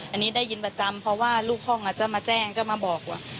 อันนี้ได้ยินประจำเพราะว่าลูกห้องจะมาแจ้งก็มาบอกว่า